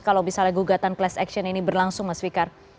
kalau misalnya gugatan class action ini berlangsung mas fikar